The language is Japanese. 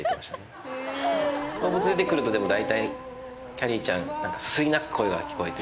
動物出て来るとでも大体きゃりーちゃんすすり泣く声が聞こえて。